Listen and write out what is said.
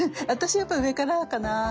私はやっぱ上からかな。